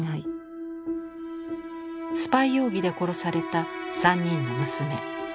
スパイ容疑で殺された３人の娘。